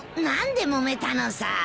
何でもめたのさ。